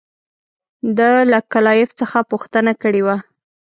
ده له کلایف څخه پوښتنه کړې وه.